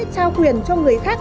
trao quyền cho người khác